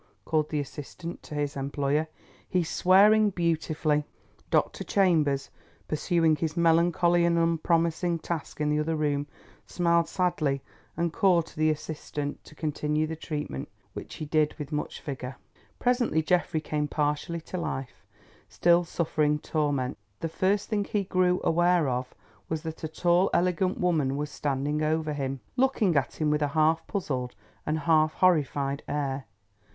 called the assistant to his employer. "He's swearing beautifully." Dr. Chambers, pursuing his melancholy and unpromising task in the other room, smiled sadly, and called to the assistant to continue the treatment, which he did with much vigour. Presently Geoffrey came partially to life, still suffering torments. The first thing he grew aware of was that a tall elegant woman was standing over him, looking at him with a half puzzled and half horrified air.